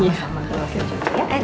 ya makasih juga ya